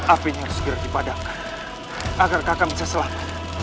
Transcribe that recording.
apinya harus gerak di padamu agar kakak bisa selamat